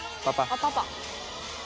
あっパパ。